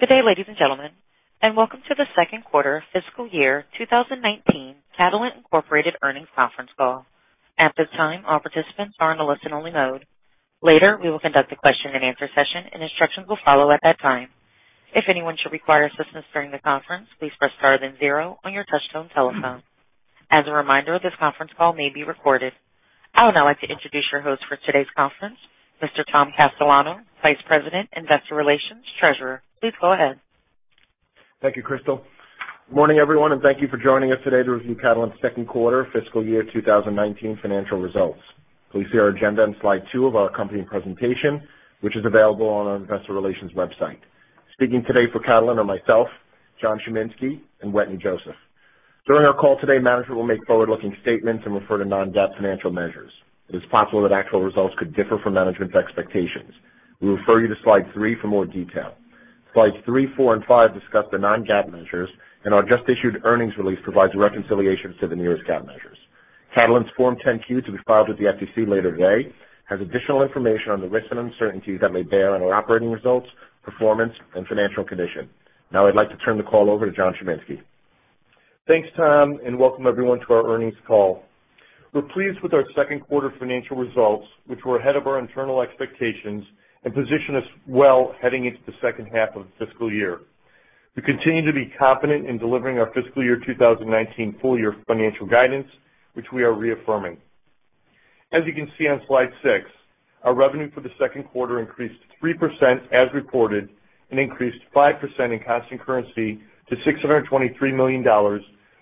Good day, ladies and gentlemen, and welcome to the Second Quarter of Fiscal Year 2019 Catalent Incorporated Earnings Conference call. At this time, all participants are in a listen-only mode. Later, we will conduct a question-and-answer session, and instructions will follow at that time. If anyone should require assistance during the conference, please press star then zero on your touch-tone telephone. As a reminder, this conference call may be recorded. I would now like to introduce your host for today's conference, Mr. Tom Castellano, Vice President, Investor Relations, Treasurer. Please go ahead. Thank you, Crystal. Good morning, everyone, and thank you for joining us today to review Catalent's Second Quarter of Fiscal Year 2019 Financial Results. Please see our agenda on slide two of our accompanying presentation, which is available on our Investor Relations website. Speaking today for Catalent are myself, John Chiminski, and Wetteny Joseph. During our call today, management will make forward-looking statements and refer to non-GAAP financial measures. It is possible that actual results could differ from management's expectations. We refer you to slide three for more detail. Slides three, four, and five discuss the non-GAAP measures, and our just-issued earnings release provides reconciliations to the nearest GAAP measures. Catalent's Form 10-Q, to be filed with the SEC later today, has additional information on the risks and uncertainties that may bear on our operating results, performance, and financial condition. Now, I'd like to turn the call over to John Chiminski. Thanks, Tom, and welcome everyone to our earnings call. We're pleased with our second quarter financial results, which were ahead of our internal expectations and position us well heading into the second half of the fiscal year. We continue to be confident in delivering our fiscal year 2019 full-year financial guidance, which we are reaffirming. As you can see on slide six, our revenue for the second quarter increased 3% as reported and increased 5% in constant currency to $623 million,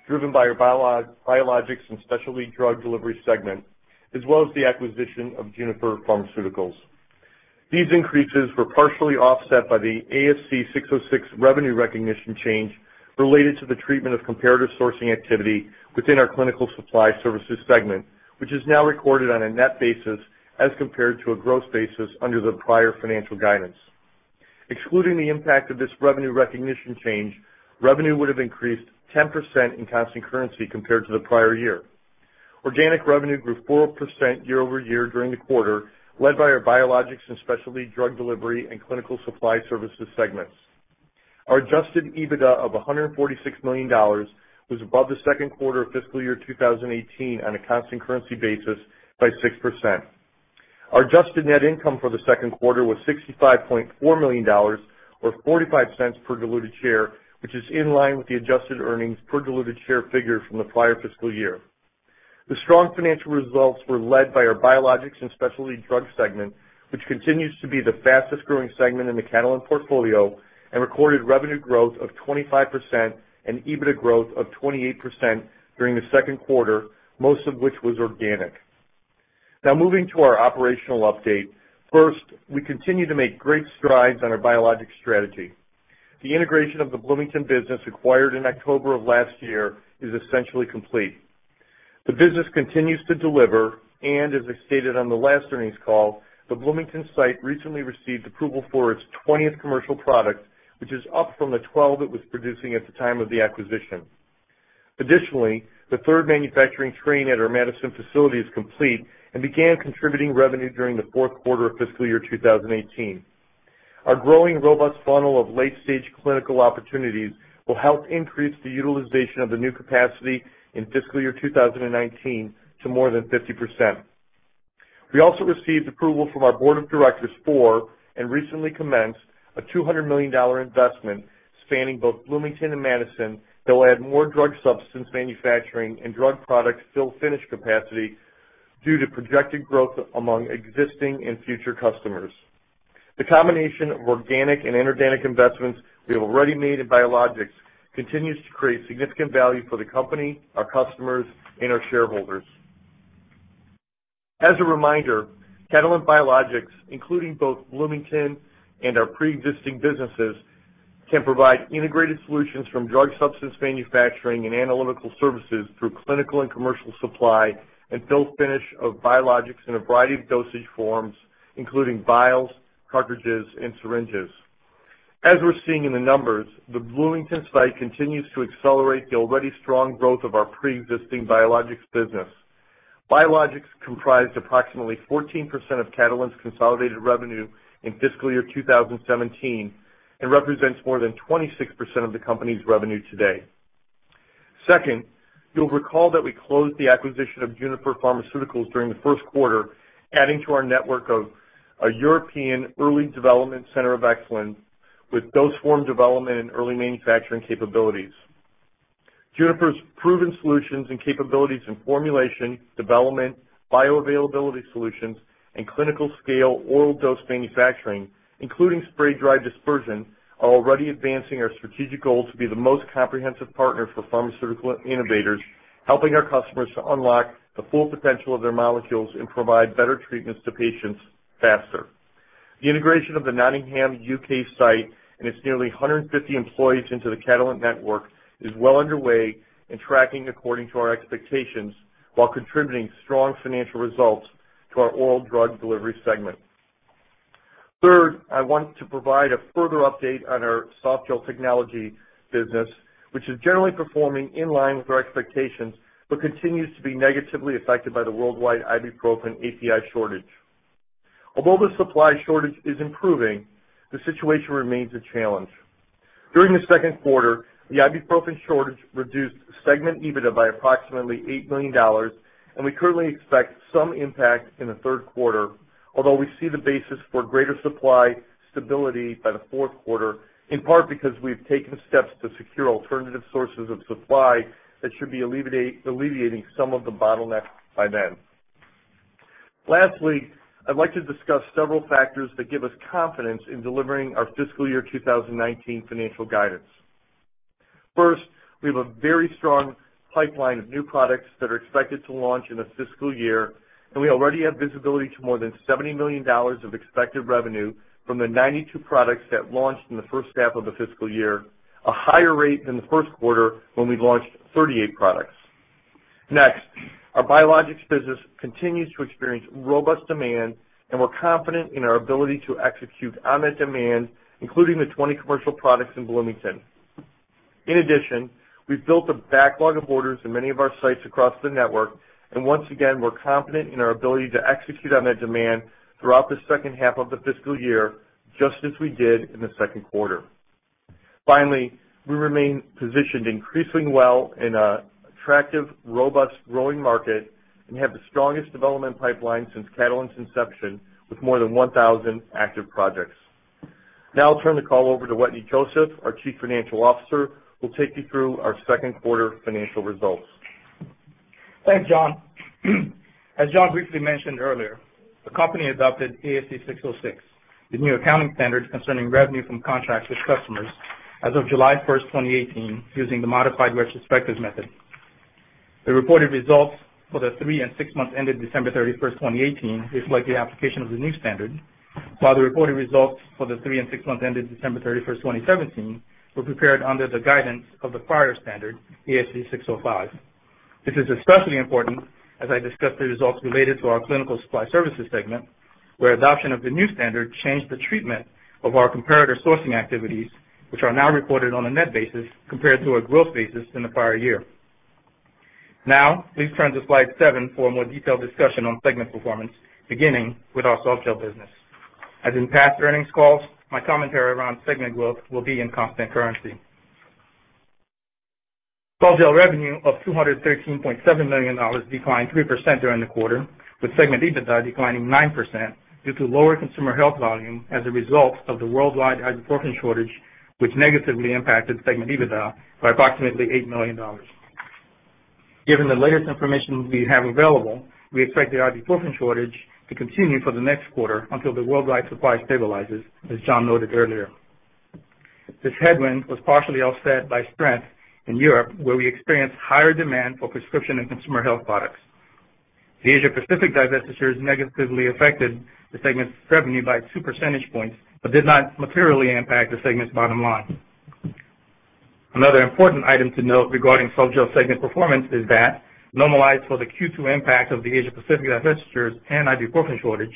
driven by our biologics and specialty drug delivery segment, as well as the acquisition of Juniper Pharmaceuticals. These increases were partially offset by the ASC 606 revenue recognition change related to the treatment of comparator sourcing activity within our clinical supply services segment, which is now recorded on a net basis as compared to a gross basis under the prior financial guidance. Excluding the impact of this revenue recognition change, revenue would have increased 10% in constant currency compared to the prior year. Organic revenue grew 4% year-over-year during the quarter, led by our biologics and specialty drug delivery and clinical supply services segments. Our adjusted EBITDA of $146 million was above the second quarter of fiscal year 2018 on a constant currency basis by 6%. Our adjusted net income for the second quarter was $65.4 million, or $0.45 per diluted share, which is in line with the adjusted earnings per diluted share figure from the prior fiscal year. The strong financial results were led by our biologics and specialty drug segment, which continues to be the fastest-growing segment in the Catalent portfolio, and recorded revenue growth of 25% and EBITDA growth of 28% during the second quarter, most of which was organic. Now, moving to our operational update, first, we continue to make great strides on our biologics strategy. The integration of the Bloomington business acquired in October of last year is essentially complete. The business continues to deliver, and as I stated on the last earnings call, the Bloomington site recently received approval for its 20th commercial product, which is up from the 12 it was producing at the time of the acquisition. Additionally, the third manufacturing train at our Madison facility is complete and began contributing revenue during the fourth quarter of fiscal year 2018. Our growing robust funnel of late-stage clinical opportunities will help increase the utilization of the new capacity in fiscal year 2019 to more than 50%. We also received approval from our board of directors for and recently commenced a $200 million investment spanning both Bloomington and Madison that will add more drug substance manufacturing and drug product fill-finish capacity due to projected growth among existing and future customers. The combination of organic and inorganic investments we have already made in biologics continues to create significant value for the company, our customers, and our shareholders. As a reminder, Catalent Biologics, including both Bloomington and our pre-existing businesses, can provide integrated solutions from drug substance manufacturing and analytical services through clinical and commercial supply and fill-finish of biologics in a variety of dosage forms, including vials, cartridges, and syringes. As we're seeing in the numbers, the Bloomington site continues to accelerate the already strong growth of our pre-existing biologics business. Biologics comprised approximately 14% of Catalent's consolidated revenue in fiscal year 2017 and represents more than 26% of the company's revenue today. Second, you'll recall that we closed the acquisition of Juniper Pharmaceuticals during the first quarter, adding to our network of a European Early Development Center of Excellence with dosage form development and early manufacturing capabilities. Juniper's proven solutions and capabilities in formulation, development, bioavailability solutions, and clinical-scale oral dose manufacturing, including spray-dried dispersion, are already advancing our strategic goal to be the most comprehensive partner for pharmaceutical innovators, helping our customers to unlock the full potential of their molecules and provide better treatments to patients faster. The integration of the Nottingham, UK site and its nearly 150 employees into the Catalent network is well underway and tracking according to our expectations while contributing strong financial results to our oral drug delivery segment. Third, I want to provide a further update on our Softgel technology business, which is generally performing in line with our expectations but continues to be negatively affected by the worldwide ibuprofen API shortage. Although the supply shortage is improving, the situation remains a challenge. During the second quarter, the ibuprofen shortage reduced segment EBITDA by approximately $8 million, and we currently expect some impact in the third quarter, although we see the basis for greater supply stability by the fourth quarter, in part because we've taken steps to secure alternative sources of supply that should be alleviating some of the bottlenecks by then. Lastly, I'd like to discuss several factors that give us confidence in delivering our fiscal year 2019 financial guidance. First, we have a very strong pipeline of new products that are expected to launch in the fiscal year, and we already have visibility to more than $70 million of expected revenue from the 92 products that launched in the first half of the fiscal year, a higher rate than the first quarter when we launched 38 products. Next, our biologics business continues to experience robust demand, and we're confident in our ability to execute on that demand, including the 20 commercial products in Bloomington. In addition, we've built a backlog of orders in many of our sites across the network, and once again, we're confident in our ability to execute on that demand throughout the second half of the fiscal year, just as we did in the second quarter. Finally, we remain positioned increasingly well in an attractive, robust, growing market and have the strongest development pipeline since Catalent's inception with more than 1,000 active projects. Now, I'll turn the call over to Wetteny Joseph, our Chief Financial Officer, who will take you through our second quarter financial results. Thanks, John. As John briefly mentioned earlier, the company adopted ASC 606, the new accounting standard concerning revenue from contracts with customers as of July 1, 2018, using the modified retrospective method. The reported results for the three and six months ended December 31, 2018, reflect the application of the new standard, while the reported results for the three and six months ended December 31, 2017, were prepared under the guidance of the prior standard, ASC 605. This is especially important as I discuss the results related to our clinical supply services segment, where adoption of the new standard changed the treatment of our comparator sourcing activities, which are now reported on a net basis compared to a gross basis in the prior year. Now, please turn to Slide seven for a more detailed discussion on segment performance, beginning with our softgel business. As in past earnings calls, my commentary around segment growth will be in constant currency. Softgel revenue of $213.7 million declined 3% during the quarter, with segment EBITDA declining 9% due to lower consumer health volume as a result of the worldwide ibuprofen shortage, which negatively impacted segment EBITDA by approximately $8 million. Given the latest information we have available, we expect the ibuprofen shortage to continue for the next quarter until the worldwide supply stabilizes, as John noted earlier. This headwind was partially offset by strength in Europe, where we experienced higher demand for prescription and consumer health products. The Asia-Pacific divestitures negatively affected the segment's revenue by 2 percentage points but did not materially impact the segment's bottom line. Another important item to note regarding Softgel segment performance is that, normalized for the Q2 impact of the Asia-Pacific divestitures and ibuprofen shortage,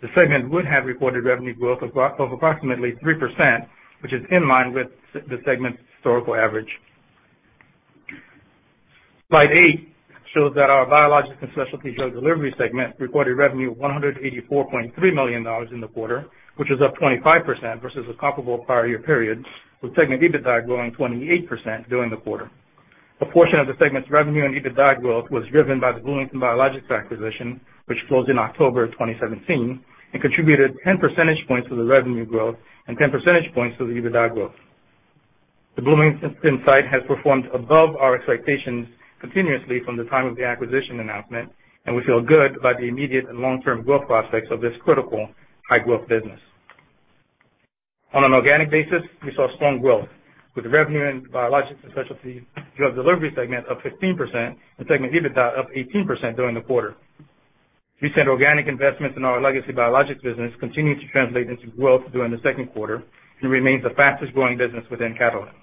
the segment would have reported revenue growth of approximately 3%, which is in line with the segment's historical average. Slide eight shows that our biologics and specialty drug delivery segment reported revenue of $184.3 million in the quarter, which is up 25% versus a comparable prior year period, with segment EBITDA growing 28% during the quarter. A portion of the segment's revenue and EBITDA growth was driven by the Bloomington Biologics acquisition, which closed in October of 2017, and contributed 10 percentage points to the revenue growth and 10 percentage points to the EBITDA growth. The Bloomington site has performed above our expectations continuously from the time of the acquisition announcement, and we feel good about the immediate and long-term growth prospects of this critical high-growth business. On an organic basis, we saw strong growth, with revenue in biologics and specialty drug delivery segment up 15% and segment EBITDA up 18% during the quarter. Recent organic investments in our legacy biologics business continue to translate into growth during the second quarter and remain the fastest-growing business within Catalent.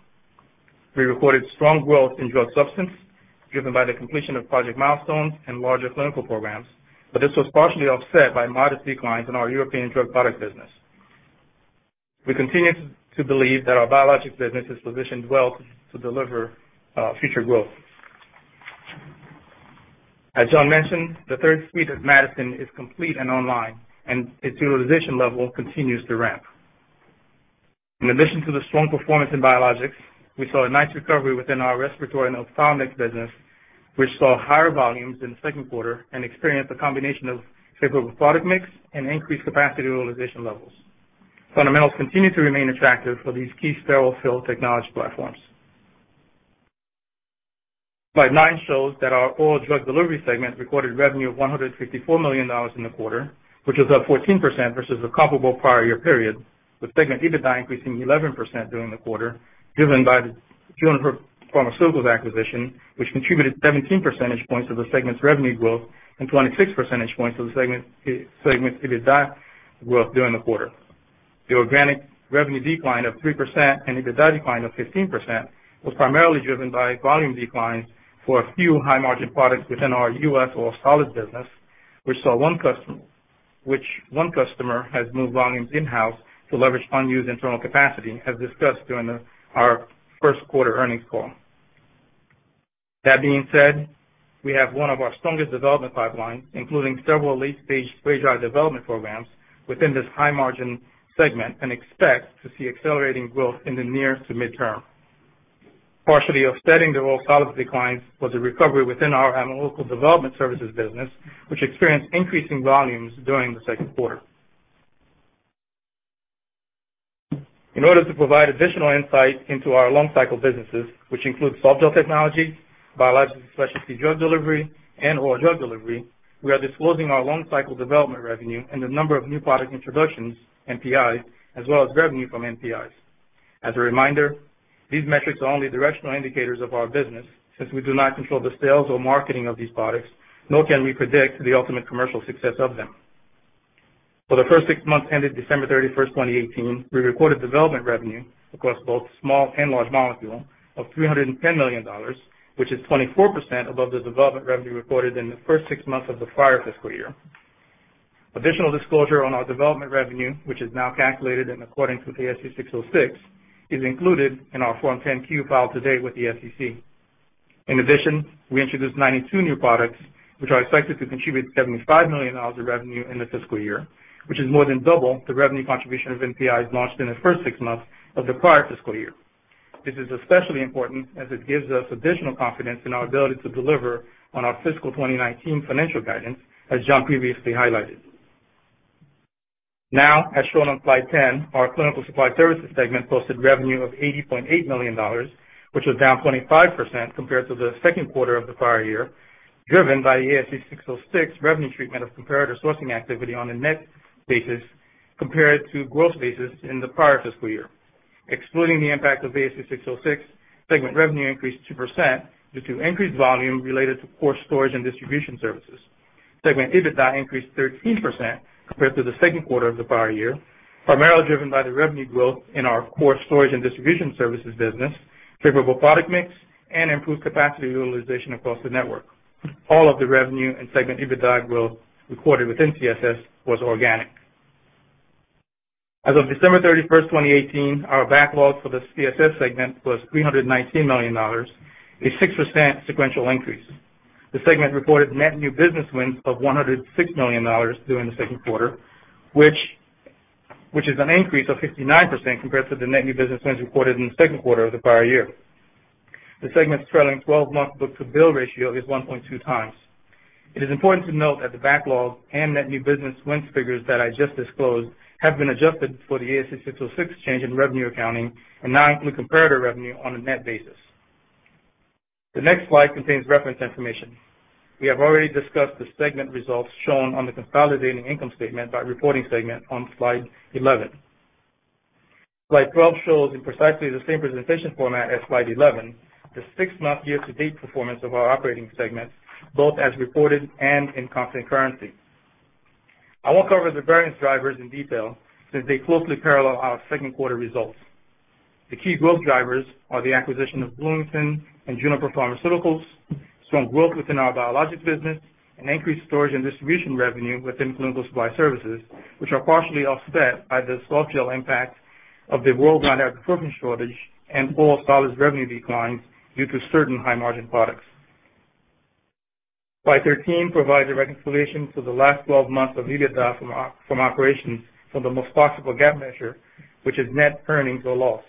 We recorded strong growth in drug substance driven by the completion of project milestones and larger clinical programs, but this was partially offset by modest declines in our European drug product business. We continue to believe that our biologics business is positioned well to deliver future growth. As John mentioned, the third suite at Madison is complete and online, and its utilization level continues to ramp. In addition to the strong performance in biologics, we saw a nice recovery within our respiratory and ophthalmic business, which saw higher volumes in the second quarter and experienced a combination of favorable product mix and increased capacity utilization levels. Fundamentals continue to remain attractive for these key sterile fill technology platforms. Slide nine shows that our oral drug delivery segment recorded revenue of $154 million in the quarter, which is up 14% versus a comparable prior year period, with segment EBITDA increasing 11% during the quarter, driven by the Juniper Pharmaceuticals acquisition, which contributed 17 percentage points to the segment's revenue growth and 26 percentage points to the segment EBITDA growth during the quarter. The organic revenue decline of 3% and EBITDA decline of 15% was primarily driven by volume declines for a few high-margin products within our U.S. oral solid business, which one customer has moved volumes in-house to leverage unused internal capacity, as discussed during our first quarter earnings call. That being said, we have one of our strongest development pipelines, including several late-stage spray-dried development programs within this high-margin segment, and expect to see accelerating growth in the near- to mid-term. Partially offsetting the oral solids declines was a recovery within our analytical development services business, which experienced increasing volumes during the second quarter. In order to provide additional insight into our long-cycle businesses, which include softgel technology, biologics and specialty drug delivery, and oral drug delivery, we are disclosing our long-cycle development revenue and the number of new product introductions, NPIs, as well as revenue from NPIs. As a reminder, these metrics are only directional indicators of our business since we do not control the sales or marketing of these products, nor can we predict the ultimate commercial success of them. For the first six months ended December 31, 2018, we recorded development revenue across both small and large molecules of $310 million, which is 24% above the development revenue recorded in the first six months of the prior fiscal year. Additional disclosure on our development revenue, which is now calculated and according to ASC 606, is included in our Form 10-Q file today with the SEC. In addition, we introduced 92 new products, which are expected to contribute $75 million of revenue in the fiscal year, which is more than double the revenue contribution of NPIs launched in the first six months of the prior fiscal year. This is especially important as it gives us additional confidence in our ability to deliver on our fiscal 2019 financial guidance, as John previously highlighted. Now, as shown on Slide 10, our clinical supply services segment posted revenue of $80.8 million, which was down 25% compared to the second quarter of the prior year, driven by the ASC 606 revenue treatment of comparator sourcing activity on a net basis compared to gross basis in the prior fiscal year. Excluding the impact of ASC 606, segment revenue increased 2% due to increased volume related to core storage and distribution services. Segment EBITDA increased 13% compared to the second quarter of the prior year, primarily driven by the revenue growth in our core storage and distribution services business, favorable product mix, and improved capacity utilization across the network. All of the revenue and segment EBITDA growth recorded within CSS was organic. As of December 31, 2018, our backlog for the CSS segment was $319 million, a 6% sequential increase. The segment reported net new business wins of $106 million during the second quarter, which is an increase of 59% compared to the net new business wins reported in the second quarter of the prior year. The segment's trailing 12-month book-to-bill ratio is 1.2 times. It is important to note that the backlog and net new business wins figures that I just disclosed have been adjusted for the ASC 606 change in revenue accounting and now include comparator revenue on a net basis. The next slide contains reference information. We have already discussed the segment results shown on the consolidating income statement by reporting segment on Slide 11. Slide 12 shows, in precisely the same presentation format as Slide 11, the six-month year-to-date performance of our operating segment, both as reported and in constant currency. I won't cover the variance drivers in detail since they closely parallel our second quarter results. The key growth drivers are the acquisition of Bloomington and Juniper Pharmaceuticals, strong growth within our Biologics business, and increased storage and distribution revenue within clinical supply services, which are partially offset by the Softgel impact of the worldwide ibuprofen shortage and oral solids revenue declines due to certain high-margin products. Slide 13 provides a reconciliation to the last 12 months of EBITDA from operations from the most comparable GAAP measure, which is net earnings or loss.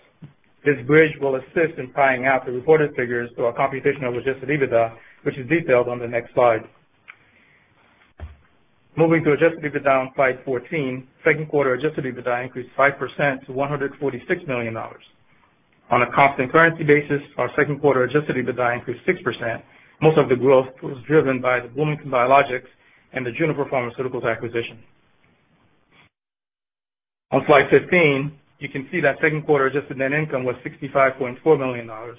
This bridge will assist in tying out the reported figures to our adjusted EBITDA, which is detailed on the next slide. Moving to Adjusted EBITDA on Slide 14, second quarter Adjusted EBITDA increased 5% to $146 million. On a constant currency basis, our second quarter Adjusted EBITDA increased 6%. Most of the growth was driven by the Bloomington biologics and the Juniper Pharmaceuticals acquisition. On Slide 15, you can see that second quarter Adjusted Net Income was $65.4 million, or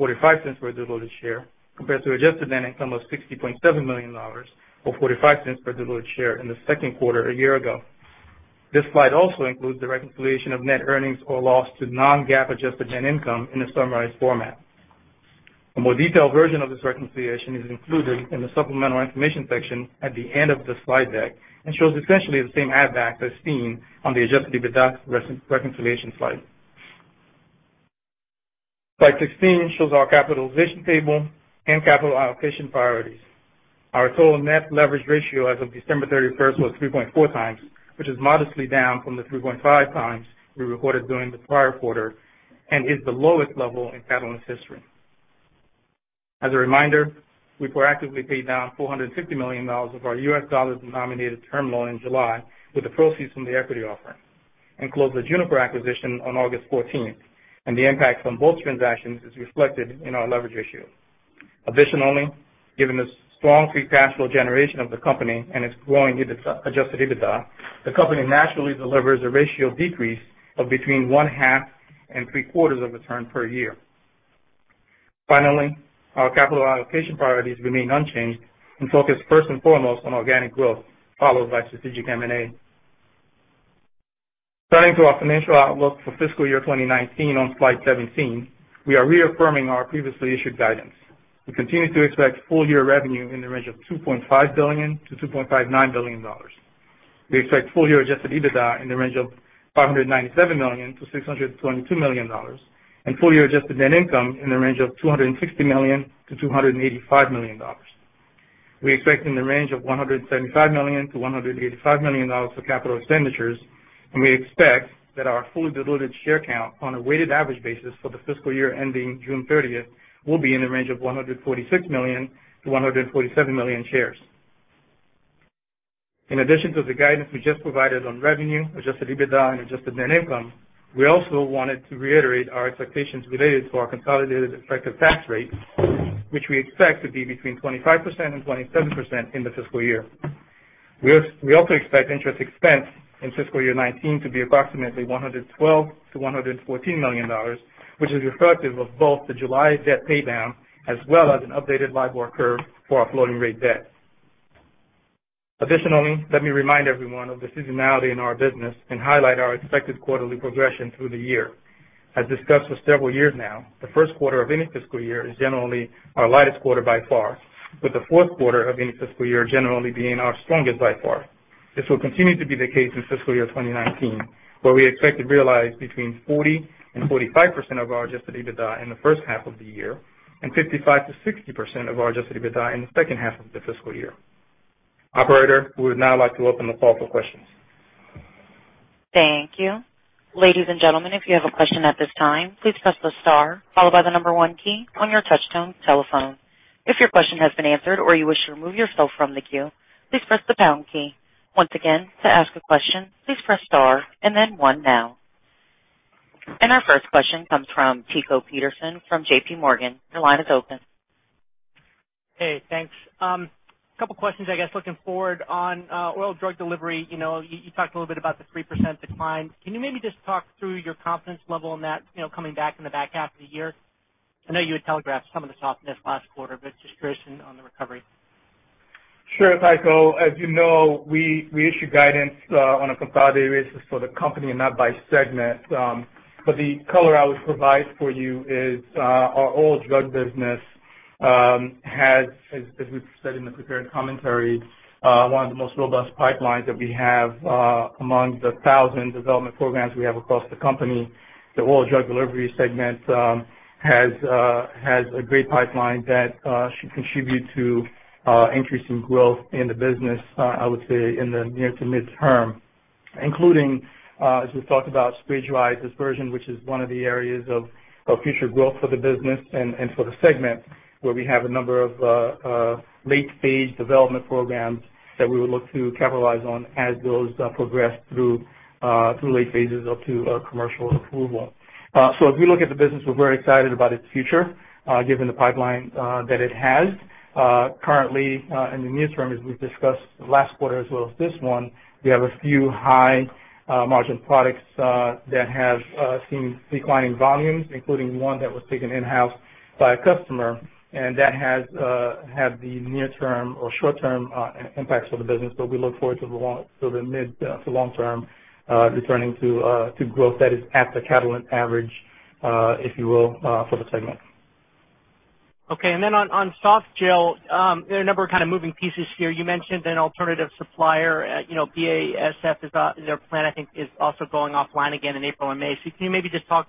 $0.45 per diluted share, compared to Adjusted Net Income of $60.7 million, or $0.45 per diluted share in the second quarter a year ago. This slide also includes the reconciliation of net earnings or loss to non-GAAP Adjusted Net Income in a summarized format. A more detailed version of this reconciliation is included in the supplemental information section at the end of the slide deck and shows essentially the same add-backs as seen on the Adjusted EBITDA reconciliation slide. Slide 16 shows our capitalization table and capital allocation priorities. Our total net leverage ratio as of December 31 was 3.4 times, which is modestly down from the 3.5 times we recorded during the prior quarter and is the lowest level in Catalent's history. As a reminder, we proactively paid down $450 million of our U.S. dollar-denominated term loan in July with the proceeds from the equity offering, and closed the Juniper acquisition on August 14, and the impact from both transactions is reflected in our leverage ratio. Additionally, given the strong free cash flow generation of the company and its growing Adjusted EBITDA, the company naturally delivers a ratio decrease of between one-half and three-quarters of a turn per year. Finally, our capital allocation priorities remain unchanged and focus first and foremost on organic growth, followed by strategic M&A. Turning to our financial outlook for fiscal year 2019 on Slide 17, we are reaffirming our previously issued guidance. We continue to expect full year revenue in the range of $2.5 billion-$2.59 billion. We expect full year Adjusted EBITDA in the range of $597 million-$622 million, and full year Adjusted Net Income in the range of $260 million-$285 million. We expect in the range of $175 million-$185 million for capital expenditures, and we expect that our fully diluted share count on a weighted average basis for the fiscal year ending June 30 will be in the range of 146 million-147 million shares. In addition to the guidance we just provided on revenue, Adjusted EBITDA, and Adjusted Net Income, we also wanted to reiterate our expectations related to our consolidated effective tax rate, which we expect to be between 25% and 27% in the fiscal year. We also expect interest expense in fiscal year 2019 to be approximately $112-$114 million, which is reflective of both the July debt paydown as well as an updated LIBOR curve for our floating rate debt. Additionally, let me remind everyone of the seasonality in our business and highlight our expected quarterly progression through the year. As discussed for several years now, the first quarter of any fiscal year is generally our lightest quarter by far, with the fourth quarter of any fiscal year generally being our strongest by far. This will continue to be the case in fiscal year 2019, where we expect to realize between 40% and 45% of our Adjusted EBITDA in the first half of the year and 55%-60% of our Adjusted EBITDA in the second half of the fiscal year. Operator, we would now like to open the call for questions. Thank you. Ladies and gentlemen, if you have a question at this time, please press the star, followed by the number one key on your touchtone telephone. If your question has been answered or you wish to remove yourself from the queue, please press the pound key. Once again, to ask a question, please press star and then one now. And our first question comes from Tycho Peterson from JPMorgan. Your line is open. Hey, thanks. A couple of questions, I guess, looking forward on oral drug delivery. You talked a little bit about the 3% decline. Can you maybe just talk through your confidence level in that coming back in the back half of the year? I know you had telegraphed some of the softness last quarter, but just curious on the recovery. Sure, Tycho. As you know, we issue guidance on a consolidated basis for the company and not by segment. But the color I would provide for you is our oral drug business has, as we said in the prepared commentary, one of the most robust pipelines that we have among the thousand development programs we have across the company. The oral drug delivery segment has a great pipeline that should contribute to increasing growth in the business, I would say, in the near to midterm, including, as we've talked about, spray-dried dispersion, which is one of the areas of future growth for the business and for the segment, where we have a number of late-stage development programs that we would look to capitalize on as those progress through late phases up to commercial approval. As we look at the business, we're very excited about its future given the pipeline that it has. Currently, in the near term, as we've discussed last quarter as well as this one, we have a few high-margin products that have seen declining volumes, including one that was taken in-house by a customer, and that had the near-term or short-term impacts for the business. But we look forward to the mid to long-term returning to growth that is at the Catalent average, if you will, for the segment. Okay. And then on softgel, there are a number of kind of moving pieces here. You mentioned an alternative supplier, BASF, their plan, I think, is also going offline again in April and May. So can you maybe just talk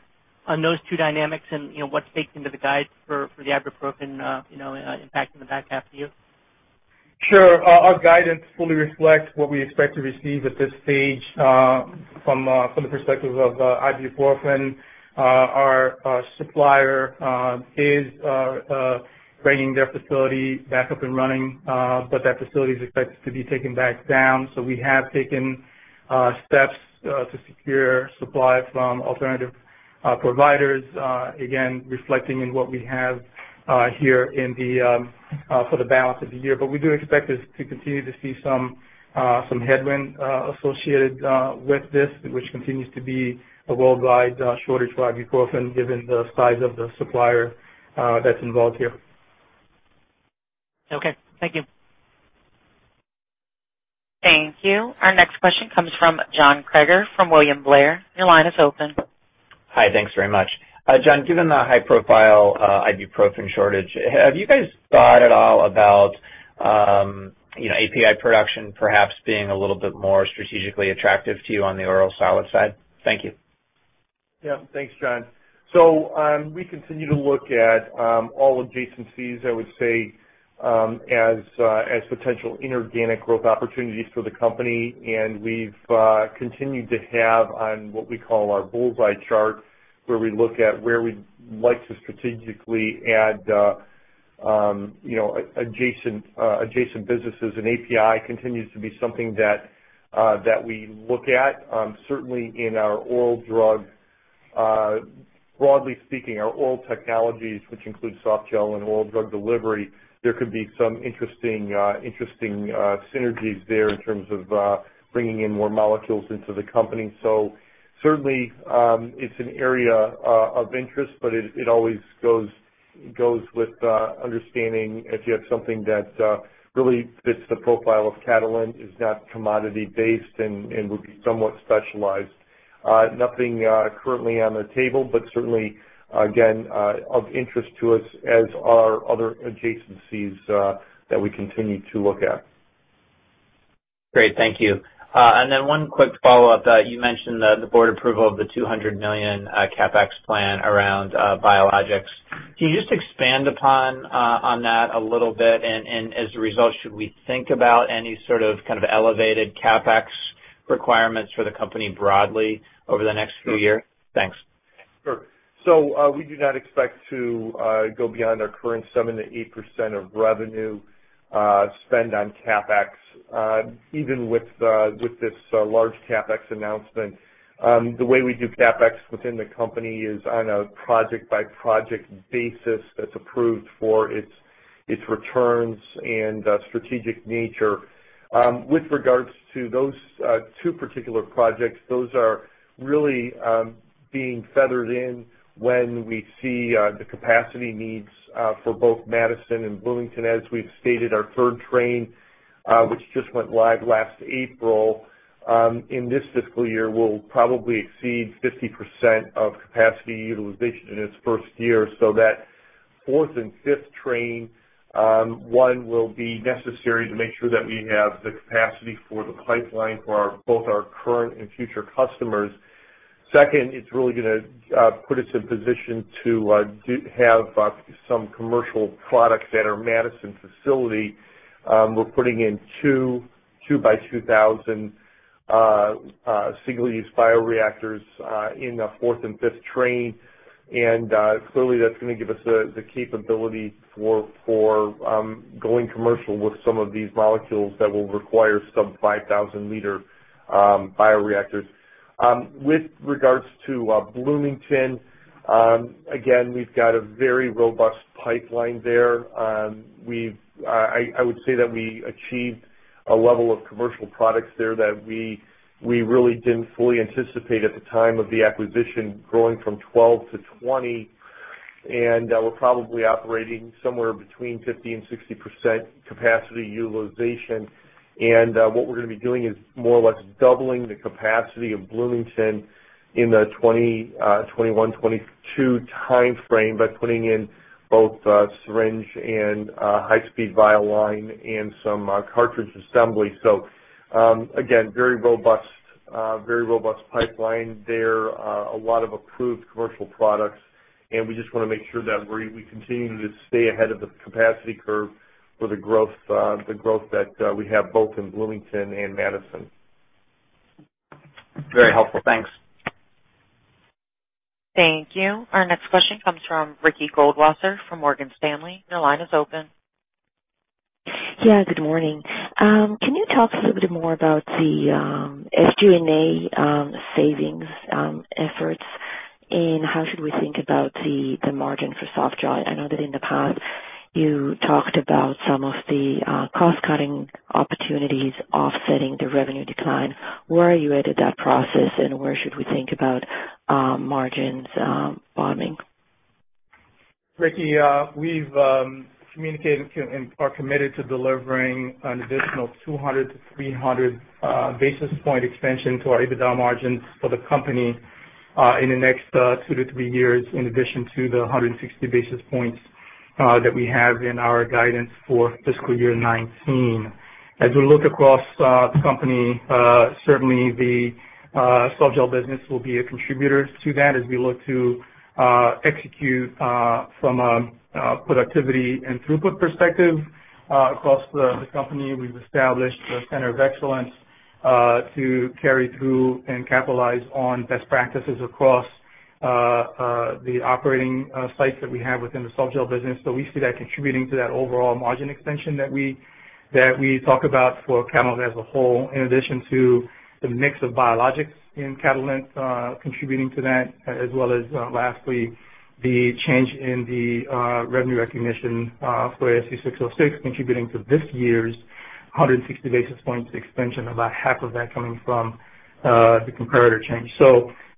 on those two dynamics and what's baked into the guide for the ibuprofen impacting the back half of the year? Sure. Our guidance fully reflects what we expect to receive at this stage from the perspective of ibuprofen. Our supplier is bringing their facility back up and running, but that facility is expected to be taken back down. So we have taken steps to secure supply from alternative providers, again, reflecting in what we have here for the balance of the year. But we do expect to continue to see some headwind associated with this, which continues to be a worldwide shortage for ibuprofen given the size of the supplier that's involved here. Okay. Thank you. Thank you. Our next question comes from John Kreger from William Blair. Your line is open. Hi, thanks very much. John, given the high-profile ibuprofen shortage, have you guys thought at all about API production perhaps being a little bit more strategically attractive to you on the oral solid side? Thank you. Yep. Thanks, John. So we continue to look at all adjacencies, I would say, as potential inorganic growth opportunities for the company. And we've continued to have on what we call our bull's-eye chart, where we look at where we'd like to strategically add adjacent businesses. And API continues to be something that we look at. Certainly, in our oral drug, broadly speaking, our oral technologies, which include softgel and oral drug delivery, there could be some interesting synergies there in terms of bringing in more molecules into the company. So certainly, it's an area of interest, but it always goes with understanding if you have something that really fits the profile of Catalent, is not commodity-based, and would be somewhat specialized. Nothing currently on the table, but certainly, again, of interest to us as are other adjacencies that we continue to look at. Great. Thank you. One quick follow-up. You mentioned the board approval of the $200 million CapEx plan around biologics. Can you just expand upon that a little bit? And as a result, should we think about any sort of kind of elevated CapEx requirements for the company broadly over the next few years? Thanks. Sure. We do not expect to go beyond our current 7%-8% of revenue spend on CapEx, even with this large CapEx announcement. The way we do CapEx within the company is on a project-by-project basis that's approved for its returns and strategic nature. With regards to those two particular projects, those are really being feathered in when we see the capacity needs for both Madison and Bloomington. As we've stated, our third train, which just went live last April in this fiscal year, will probably exceed 50% of capacity utilization in its first year. So, the fourth and fifth trains will be necessary to make sure that we have the capacity for the pipeline for both our current and future customers. Second, it's really going to put us in position to have some commercial products at our Madison facility. We're putting in two 2,000-liter single-use bioreactors in the fourth and fifth trains. And clearly, that's going to give us the capability for going commercial with some of these molecules that will require sub-5,000-liter bioreactors. With regards to Bloomington, again, we've got a very robust pipeline there. I would say that we achieved a level of commercial products there that we really didn't fully anticipate at the time of the acquisition, growing from 12 to 20. We're probably operating somewhere between 50%-60% capacity utilization. What we're going to be doing is more or less doubling the capacity of Bloomington in the 2021-2022 timeframe by putting in both syringe and high-speed vial line and some cartridge assembly. Again, very robust pipeline there, a lot of approved commercial products. We just want to make sure that we continue to stay ahead of the capacity curve for the growth that we have both in Bloomington and Madison. Very helpful. Thanks. Thank you. Our next question comes from Ricky Goldwasser from Morgan Stanley. Your line is open. Yeah. Good morning. Can you talk a little bit more about the SG&A savings efforts and how should we think about the margin for Softgel? I know that in the past, you talked about some of the cost-cutting opportunities offsetting the revenue decline. Where are you at in that process, and where should we think about margins bottoming? Ricky, we've communicated and are committed to delivering an additional 200-300 basis point extension to our EBITDA margins for the company in the next two to three years, in addition to the 160 basis points that we have in our guidance for fiscal year 2019. As we look across the company, certainly, the Softgel business will be a contributor to that as we look to execute from a productivity and throughput perspective across the company. We've established a center of excellence to carry through and capitalize on best practices across the operating sites that we have within the Softgel business. So we see that contributing to that overall margin extension that we talk about for Catalent as a whole, in addition to the mix of biologics in Catalent contributing to that, as well as lastly, the change in the revenue recognition for ASC 606 contributing to this year's 160 basis points extension, about half of that coming from the comparator change.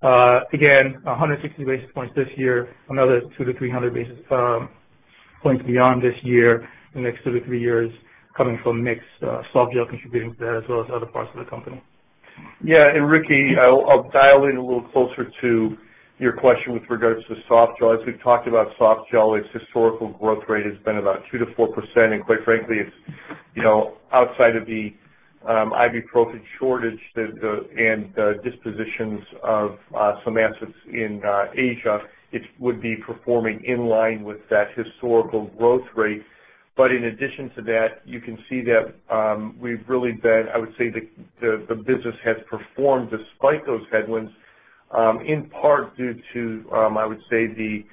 So again, 160 basis points this year, another 200-300 basis points beyond this year, the next two to three years coming from mixed softgel contributing to that as well as other parts of the company. Yeah. And Ricky, I'll dial in a little closer to your question with regards to softgel. As we've talked about softgel, its historical growth rate has been about 2% to 4%. Quite frankly, it's outside of the ibuprofen shortage and dispositions of some assets in Asia. It would be performing in line with that historical growth rate. In addition to that, you can see that we've really been, I would say, the business has performed despite those headwinds, in part due to, I would say, the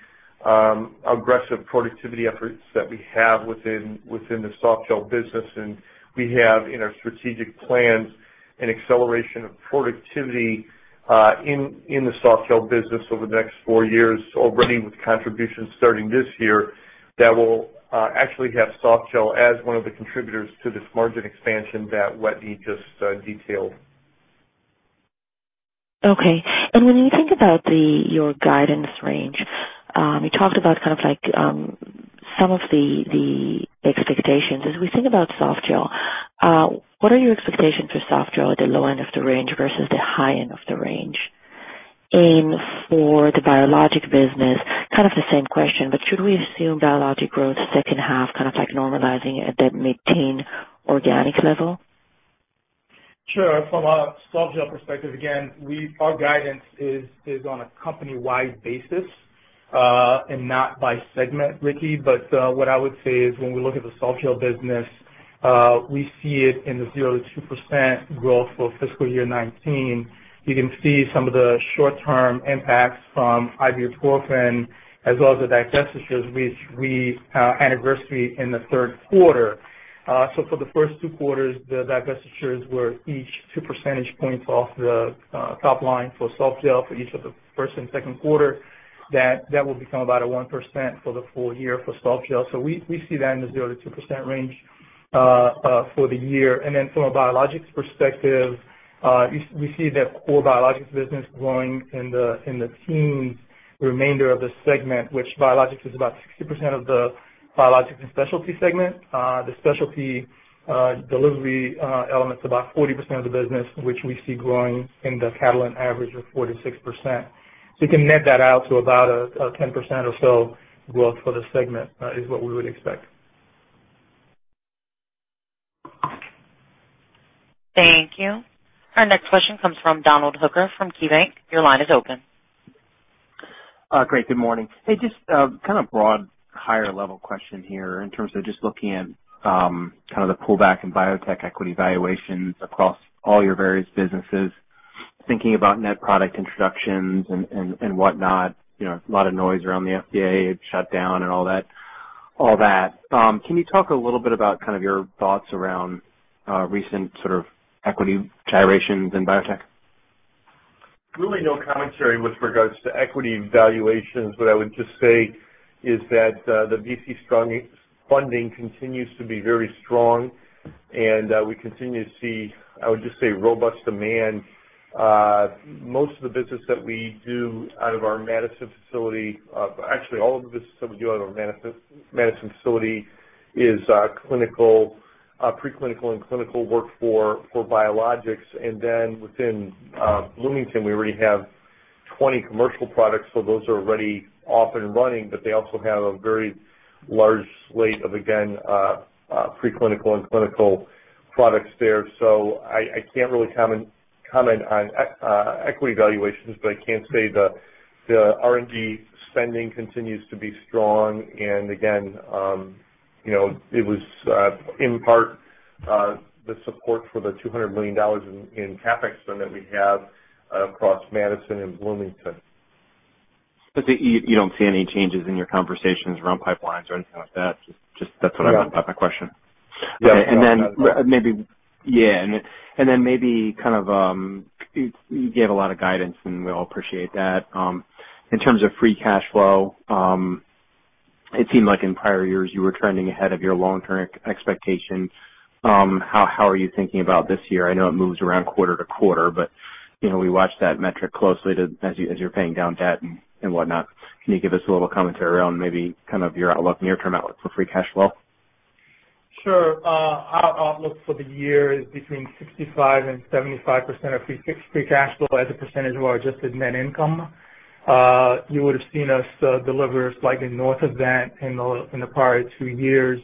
aggressive productivity efforts that we have within the Softgel business. We have in our strategic plans an acceleration of productivity in the Softgel business over the next four years already, with contributions starting this year that will actually have Softgel as one of the contributors to this margin expansion that Wetteny just detailed. Okay. When you think about your guidance range, you talked about kind of some of the expectations. As we think about softgel, what are your expectations for Softgel at the low end of the range versus the high end of the range? And for the biologic business, kind of the same question, but should we assume biologic growth second half kind of normalizing at that mid-teen organic level? Sure. From a Softgel perspective, again, our guidance is on a company-wide basis and not by segment, Ricky. But what I would say is when we look at the Softgel business, we see it in the 0%-2% growth for fiscal year 2019. You can see some of the short-term impacts from ibuprofen as well as the divestitures we anniversary in the third quarter. So for the first two quarters, the divestitures were each 2 percentage points off the top line for Softgel for each of the first and second quarter. That will become about a 1% for the full year for Softgel. So we see that in the 0%-2% range for the year. And then from a biologics perspective, we see that core biologics business growing in the teens, the remainder of the segment, which biologics is about 60% of the biologics and specialty segment. The specialty delivery elements are about 40% of the business, which we see growing in the Catalent average of 4%-6%. So you can net that out to about a 10% or so growth for the segment is what we would expect. Thank you. Our next question comes from Donald Hooker from KeyBanc. Your line is open. Great. Good morning. Hey, just kind of broad higher-level question here in terms of just looking at kind of the pullback in biotech equity valuations across all your various businesses, thinking about net product introductions and whatnot. A lot of noise around the FDA shutdown and all that. Can you talk a little bit about kind of your thoughts around recent sort of equity gyrations in biotech? Really no commentary with regards to equity valuations. What I would just say is that the VC funding continues to be very strong, and we continue to see, I would just say, robust demand. Most of the business that we do out of our Madison facility actually, all of the business that we do out of our Madison facility is preclinical and clinical work for biologics. And then within Bloomington, we already have 20 commercial products. So those are already off and running, but they also have a very large slate of, again, preclinical and clinical products there. So I can't really comment on equity valuations, but I can say the R&D spending continues to be strong. And again, it was in part the support for the $200 million in CapEx fund that we have across Madison and Bloomington. So you don't see any changes in your conversations around pipelines or anything like that? Just that's what I meant by my question. Yeah. And then maybe kind of you gave a lot of guidance, and we all appreciate that. In terms of free cash flow, it seemed like in prior years you were trending ahead of your long-term expectation. How are you thinking about this year? I know it moves around quarter to quarter, but we watch that metric closely as you're paying down debt and whatnot. Can you give us a little commentary around maybe kind of your outlook, near-term outlook for free cash flow? Sure. Our outlook for the year is between 65%-75% of free cash flow as a percentage of our adjusted net income. You would have seen us deliver slightly north of that in the prior two years.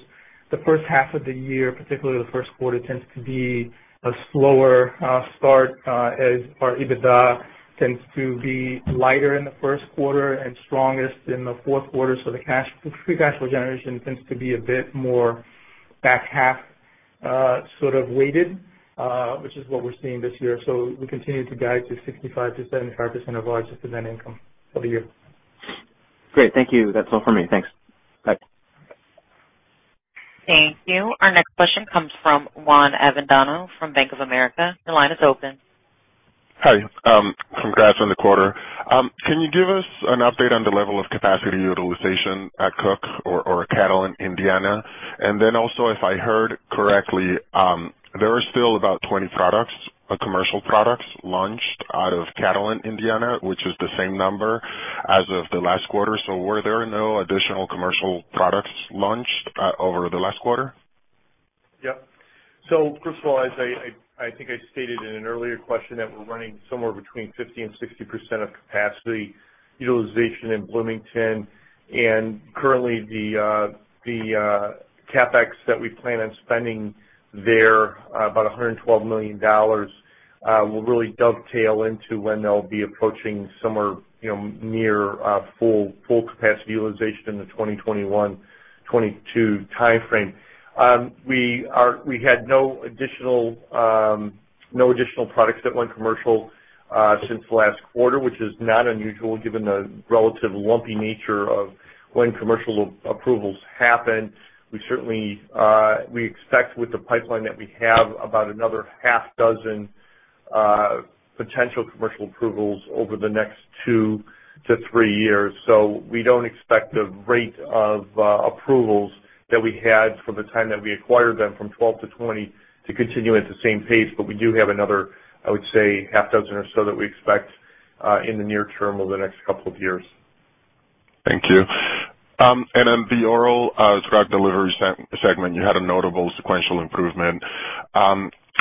The first half of the year, particularly the first quarter, tends to be a slower start as our EBITDA tends to be lighter in the first quarter and strongest in the fourth quarter. So the free cash flow generation tends to be a bit more back half sort of weighted, which is what we're seeing this year. So we continue to guide to 65%-75% of our adjusted net income for the year. Great. Thank you. That's all from me. Thanks. Bye. Thank you. Our next question comes from Juan Avendano from Bank of America. Your line is open. Hi. Congrats on the quarter. Can you give us an update on the level of capacity utilization at Cook or Catalent, Indiana? And then also, if I heard correctly, there are still about 20 commercial products launched out of Catalent, Indiana, which is the same number as of the last quarter. So were there no additional commercial products launched over the last quarter? Yep. So first of all, I think I stated in an earlier question that we're running somewhere between 50% and 60% of capacity utilization in Bloomington. Currently, the CapEx that we plan on spending there, about $112 million, will really dovetail into when they'll be approaching somewhere near full capacity utilization in the 2021-2022 timeframe. We had no additional products that went commercial since last quarter, which is not unusual given the relative lumpy nature of when commercial approvals happen. We expect with the pipeline that we have about another half dozen potential commercial approvals over the next two to three years. So we don't expect the rate of approvals that we had from the time that we acquired them from 12 to 20 to continue at the same pace. But we do have another, I would say, half dozen or so that we expect in the near term over the next couple of years. Thank you. In the oral drug delivery segment, you had a notable sequential improvement.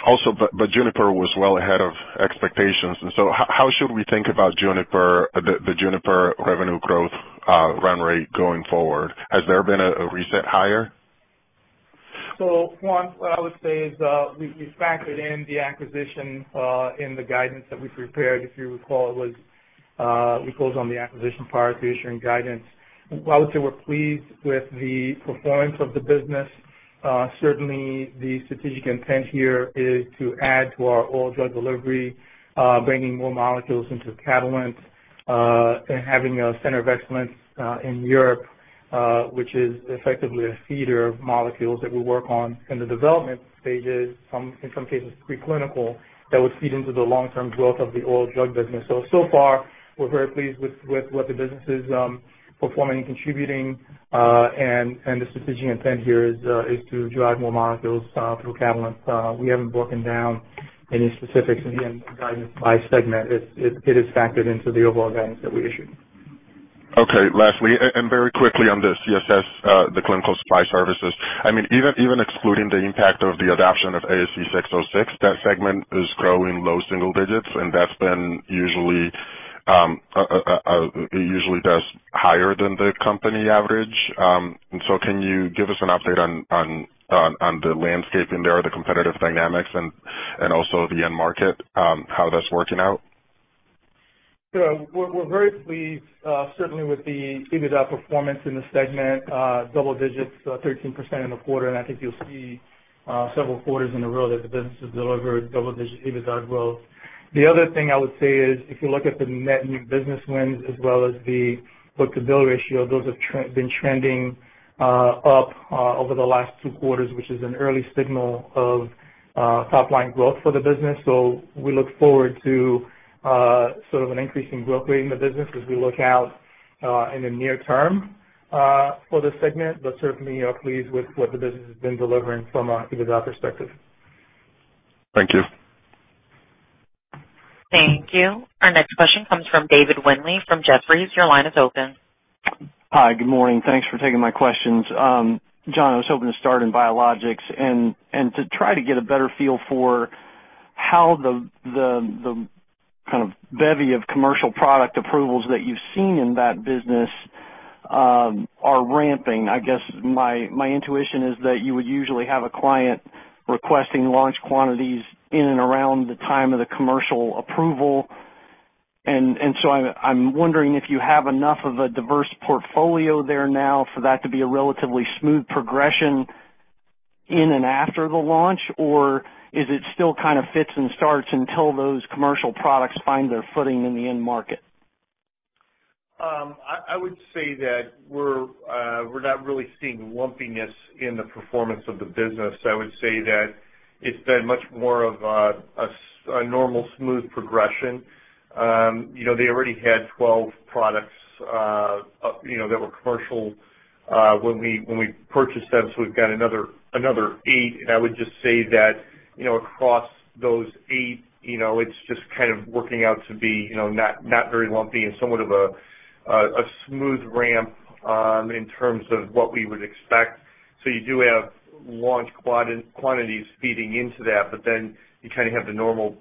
Also, but Juniper was well ahead of expectations. And so how should we think about the Juniper revenue growth run rate going forward? Has there been a reset higher? So Juan, what I would say is we factored in the acquisition in the guidance that we prepared. If you recall, it was we closed on the acquisition prior to issuing guidance. I would say we're pleased with the performance of the business. Certainly, the strategic intent here is to add to our oral drug delivery, bringing more molecules into Catalent and having a center of excellence in Europe, which is effectively a feeder of molecules that we work on in the development stages, in some cases preclinical, that would feed into the long-term growth of the oral drug business. So so far, we're very pleased with what the business is performing and contributing. The strategic intent here is to drive more molecules through Catalent. We haven't broken down any specifics in the guidance by segment. It is factored into the overall guidance that we issued. Okay. Lastly, and very quickly on this, CSS, the clinical supply services. I mean, even excluding the impact of the adoption of ASC 606, that segment is growing low single digits, and that's been usually does higher than the company average. And so can you give us an update on the landscape in there, the competitive dynamics, and also the end market, how that's working out? Yeah. We're very pleased, certainly with the EBITDA performance in the segment, double digits, 13% in the quarter. And I think you'll see several quarters in a row that the business has delivered double-digit EBITDA growth. The other thing I would say is if you look at the net new business wins as well as the book-to-bill ratio, those have been trending up over the last two quarters, which is an early signal of top-line growth for the business. So we look forward to sort of an increasing growth rate in the business as we look out in the near term for the segment. But certainly, we are pleased with what the business has been delivering from an EBITDA perspective. Thank you. Thank you. Our next question comes from Dave Windley from Jefferies. Your line is open. Hi. Good morning. Thanks for taking my questions. John, I was hoping to start in biologics and to try to get a better feel for how the kind of bevy of commercial product approvals that you've seen in that business are ramping. I guess my intuition is that you would usually have a client requesting launch quantities in and around the time of the commercial approval, and so I'm wondering if you have enough of a diverse portfolio there now for that to be a relatively smooth progression in and after the launch, or is it still kind of fits and starts until those commercial products find their footing in the end market? I would say that we're not really seeing lumpiness in the performance of the business. I would say that it's been much more of a normal smooth progression. They already had 12 products that were commercial when we purchased them, so we've got another eight, and I would just say that across those eight, it's just kind of working out to be not very lumpy and somewhat of a smooth ramp in terms of what we would expect. So you do have launch quantities feeding into that, but then you kind of have the normal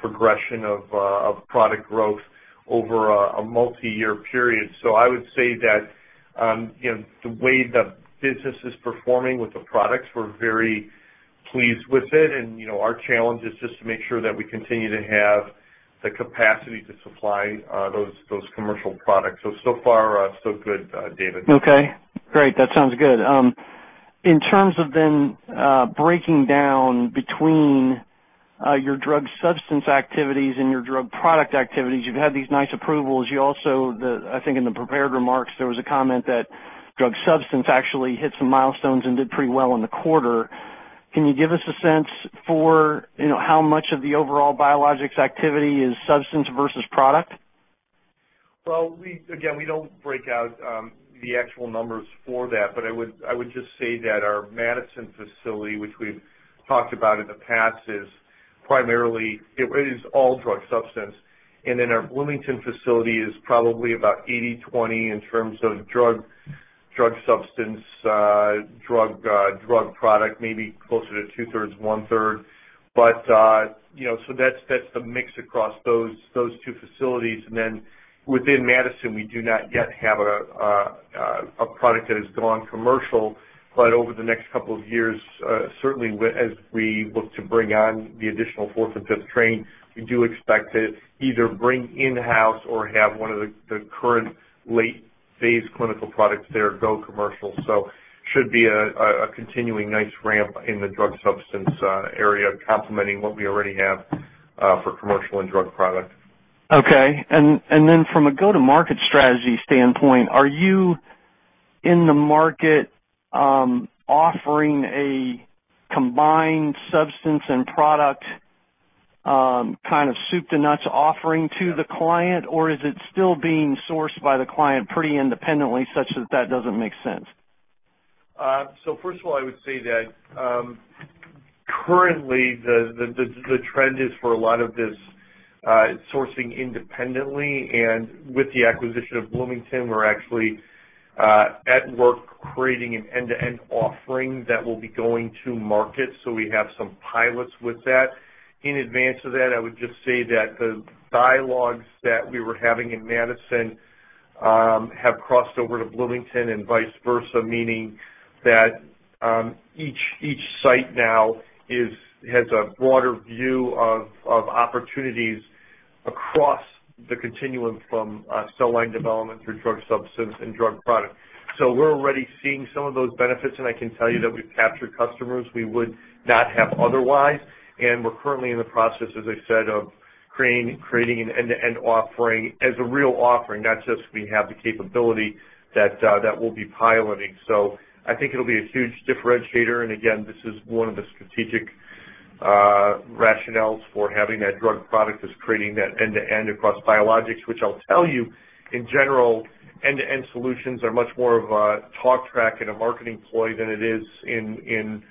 progression of product growth over a multi-year period. So I would say that the way the business is performing with the products, we're very pleased with it. And our challenge is just to make sure that we continue to have the capacity to supply those commercial products. So, so far, so good, Dave. Okay. Great. That sounds good. In terms of then breaking down between your drug substance activities and your drug product activities, you've had these nice approvals. You also, I think in the prepared remarks, there was a comment that drug substance actually hit some milestones and did pretty well in the quarter. Can you give us a sense for how much of the overall biologics activity is substance versus product? Again, we don't break out the actual numbers for that. But I would just say that our Madison facility, which we've talked about in the past, is primarily all drug substance, and then our Bloomington facility is probably about 80/20 in terms of drug substance, drug product, maybe closer to two-thirds, one-third, but so that's the mix across those two facilities, and then within Madison, we do not yet have a product that has gone commercial, but over the next couple of years, certainly as we look to bring on the additional fourth and fifth train, we do expect to either bring in-house or have one of the current late-phase clinical products there go commercial, so it should be a continuing nice ramp in the drug substance area, complementing what we already have for commercial and drug product. Okay. And then from a go-to-market strategy standpoint, are you in the market offering a combined substance and product kind of soup-to-nuts offering to the client, or is it still being sourced by the client pretty independently such that that doesn't make sense? So first of all, I would say that currently, the trend is for a lot of this sourcing independently. And with the acquisition of Bloomington, we're actually at work creating an end-to-end offering that will be going to market. So we have some pilots with that. In advance of that, I would just say that the dialogues that we were having in Madison have crossed over to Bloomington and vice versa, meaning that each site now has a broader view of opportunities across the continuum from cell line development through drug substance and drug product. So we're already seeing some of those benefits. I can tell you that we've captured customers we would not have otherwise. We're currently in the process, as I said, of creating an end-to-end offering as a real offering, not just we have the capability that we'll be piloting. So I think it'll be a huge differentiator. Again, this is one of the strategic rationales for having that drug product is creating that end-to-end across biologics, which I'll tell you, in general, end-to-end solutions are much more of a talk track and a marketing ploy than it is in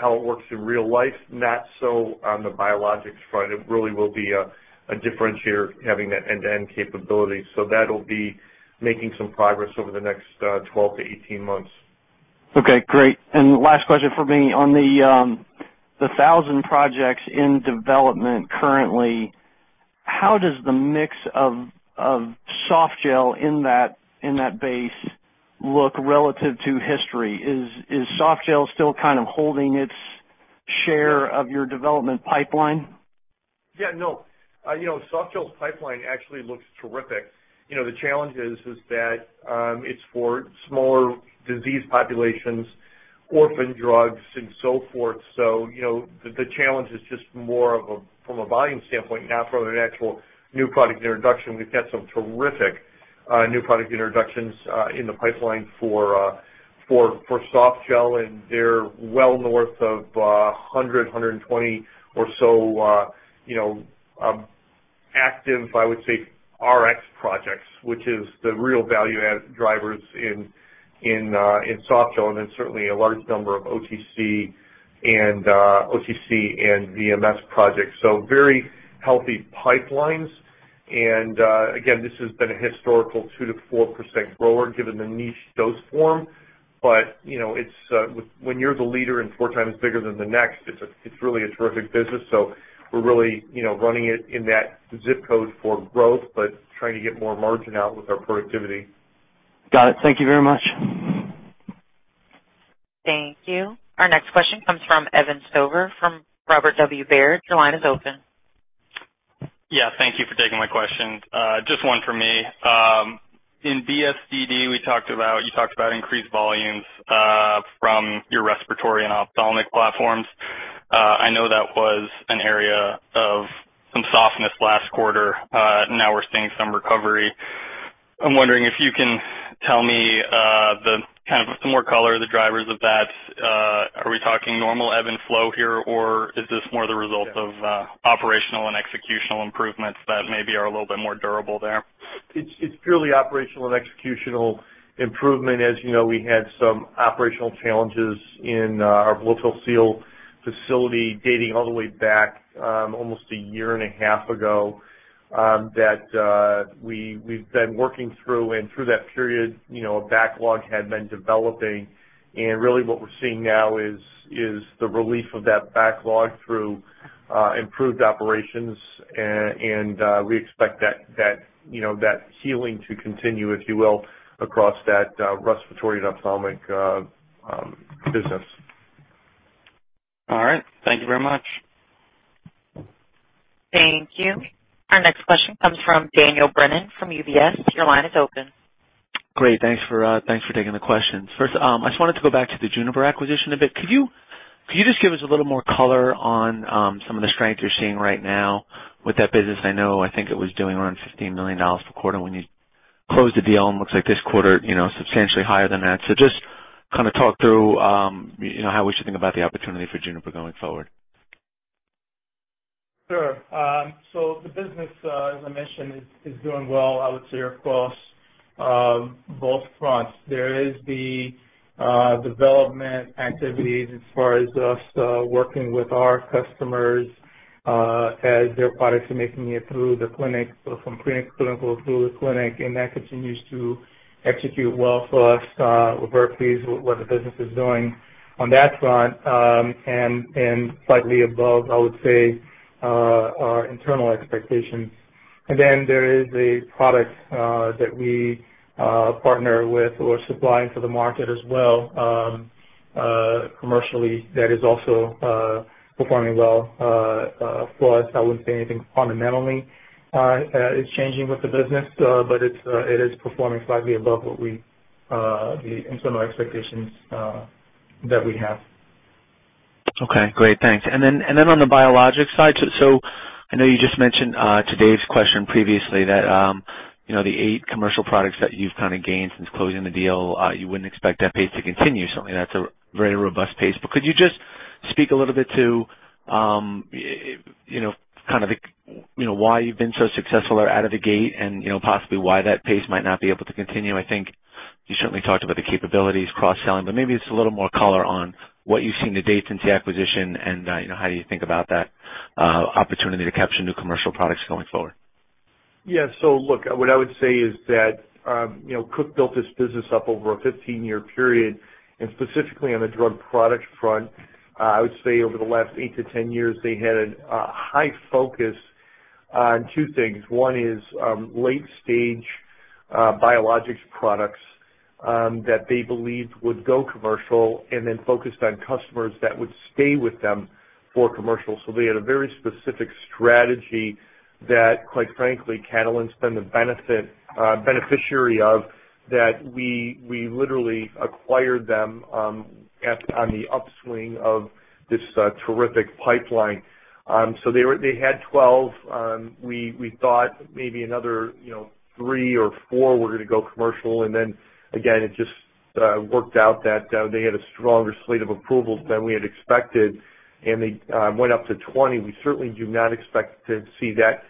how it works in real life, not so on the biologics front. It really will be a differentiator having that end-to-end capability. So that'll be making some progress over the next 12 to 18 months. Okay. Great. Last question for me. On the 1,000 projects in development currently, how does the mix of Softgel in that base look relative to history? Is Softgel still kind of holding its share of your development pipeline? Yeah. No. Softgel's pipeline actually looks terrific. The challenge is that it's for smaller disease populations, orphan drugs, and so forth. So the challenge is just more of a from a volume standpoint, not from an actual new product introduction. We've got some terrific new product introductions in the pipeline for Softgel, and they're well north of 100, 120 or so active, I would say, Rx projects, which is the real value-add drivers in Softgel, and then certainly a large number of OTC and VMS projects. So very healthy pipelines. And again, this has been a historical 2%-4% grower given the niche dose form. But when you're the leader and four times bigger than the next, it's really a terrific business. So we're really running it in that zip code for growth, but trying to get more margin out with our productivity. Got it. Thank you very much. Thank you. Our next question comes from Evan Stover from Robert W. Baird. Your line is open. Yeah. Thank you for taking my questions. Just one for me. In BSDD, you talked about increased volumes from your respiratory and ophthalmic platforms. I know that was an area of some softness last quarter. Now we're seeing some recovery. I'm wondering if you can tell me the kind of some more color of the drivers of that. Are we talking normal ebb and flow here, or is this more the result of operational and executional improvements that maybe are a little bit more durable there? It's purely operational and executional improvement. As you know, we had some operational challenges in our blow-fill-seal facility dating all the way back almost a year and a half ago that we've been working through. And through that period, a backlog had been developing. And really what we're seeing now is the relief of that backlog through improved operations. And we expect that healing to continue, if you will, across that respiratory and ophthalmic business. All right. Thank you very much. Thank you. Our next question comes from Daniel Brennan from UBS. Your line is open. Great. Thanks for taking the questions. First, I just wanted to go back to the Juniper acquisition a bit. Could you just give us a little more color on some of the strength you're seeing right now with that business? I know. I think it was doing around $15 million per quarter when you closed the deal, and it looks like this quarter substantially higher than that. So just kind of talk through how we should think about the opportunity for Juniper going forward. Sure. So the business, as I mentioned, is doing well, I would say, across both fronts. There is the development activities as far as us working with our customers as their products are making it through the clinic, so from clinical through the clinic. And that continues to execute well for us. We're very pleased with what the business is doing on that front and slightly above, I would say, our internal expectations. And then there is a product that we partner with or supply into the market as well commercially that is also performing well for us. I wouldn't say anything fundamentally is changing with the business, but it is performing slightly above the internal expectations that we have. Okay. Great. Thanks. And then on the biologics side, so I know you just mentioned to Dave's question previously that the eight commercial products that you've kind of gained since closing the deal, you wouldn't expect that pace to continue. Certainly, that's a very robust pace. But could you just speak a little bit to kind of why you've been so successful out of the gate and possibly why that pace might not be able to continue? I think you certainly talked about the capabilities, cross-selling, but maybe just a little more color on what you've seen to date since the acquisition, and how do you think about that opportunity to capture new commercial products going forward? Yeah. So look, what I would say is that Cook built this business up over a 15-year period. And specifically on the drug product front, I would say over the last eight to 10 years, they had a high focus on two things. One is late-stage biologics products that they believed would go commercial and then focused on customers that would stay with them for commercial. So they had a very specific strategy that, quite frankly, Catalent's been the beneficiary of, that we literally acquired them on the upswing of this terrific pipeline. So they had 12. We thought maybe another three or four were going to go commercial. And then again, it just worked out that they had a stronger slate of approvals than we had expected, and they went up to 20. We certainly do not expect to see that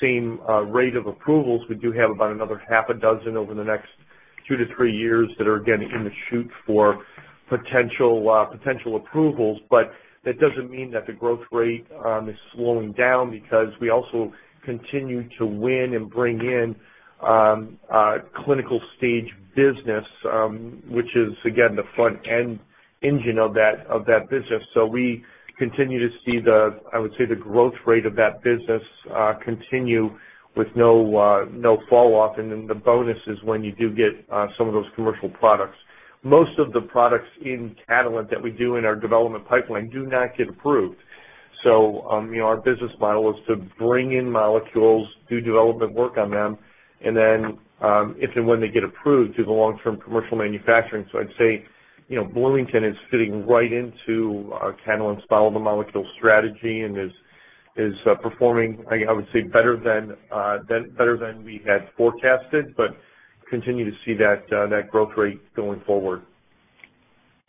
same rate of approvals. We do have about another half a dozen over the next two to three years that are again in the chute for potential approvals. But that doesn't mean that the growth rate is slowing down because we also continue to win and bring in clinical stage business, which is again the front-end engine of that business. So we continue to see, I would say, the growth rate of that business continue with no falloff. And then the bonus is when you do get some of those commercial products. Most of the products in Catalent that we do in our development pipeline do not get approved. So our business model is to bring in molecules, do development work on them, and then if and when they get approved, do the long-term commercial manufacturing. So I'd say Bloomington is fitting right into Catalent's Follow the Molecule strategy and is performing, I would say, better than we had forecasted, but continue to see that growth rate going forward.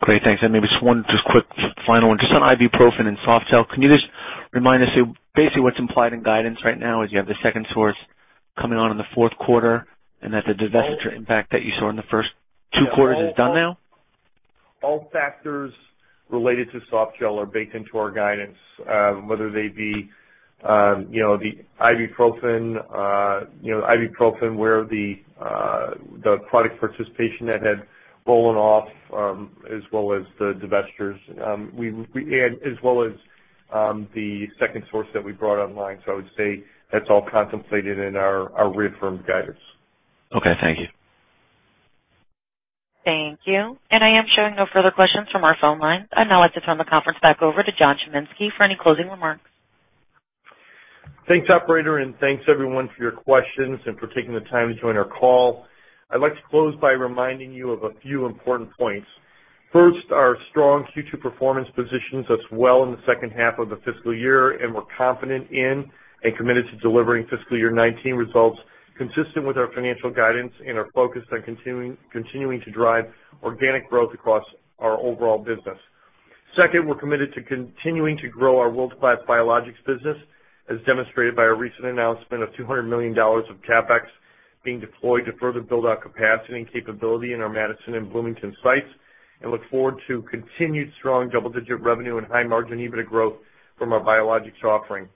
Great. Thanks. And maybe just one quick final one. Just on ibuprofen and Softgel, can you just remind us basically what's implied in guidance right now is you have the second source coming on in the fourth quarter and that the divestiture impact that you saw in the first two quarters is done now? All factors related to Softgel are baked into our guidance, whether they be the ibuprofen where the product participation that had fallen off, as well as the divestitures, as well as the second source that we brought online. So I would say that's all contemplated in our reaffirmed guidance. Okay. Thank you. Thank you. I am showing no further questions from our phone line. I would now like to turn the conference back over to John Chiminski for any closing remarks. Thanks, operator. Thanks, everyone, for your questions and for taking the time to join our call. I'd like to close by reminding you of a few important points. First, our strong Q2 performance positions us well in the second half of the fiscal year, and we're confident in and committed to delivering fiscal year 2019 results consistent with our financial guidance and our focus on continuing to drive organic growth across our overall business. Second, we're committed to continuing to grow our world-class biologics business, as demonstrated by our recent announcement of $200 million of CapEx being deployed to further build our capacity and capability in our Madison and Bloomington sites and look forward to continued strong double-digit revenue and high margin EBITDA growth from our biologics offering.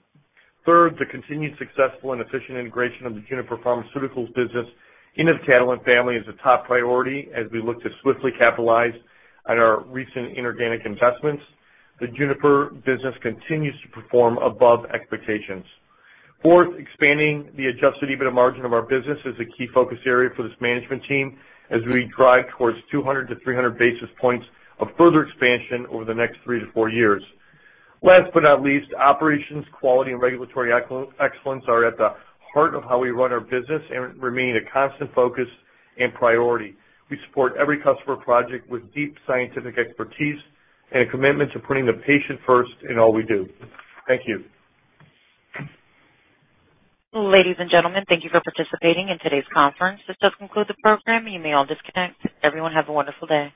Third, the continued successful and efficient integration of the Juniper Pharmaceuticals business into the Catalent family is a top priority as we look to swiftly capitalize on our recent inorganic investments. The Juniper business continues to perform above expectations. Fourth, expanding the adjusted EBITDA margin of our business is a key focus area for this management team as we drive towards 200 to 300 basis points of further expansion over the next three to four years. Last but not least, operations, quality, and regulatory excellence are at the heart of how we run our business and remain a constant focus and priority. We support every customer project with deep scientific expertise and a commitment to putting the patient first in all we do. Thank you. Ladies and gentlemen, thank you for participating in today's conference. This does conclude the program. You may all disconnect. Everyone, have a wonderful day.